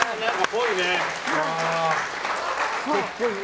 ぽいね。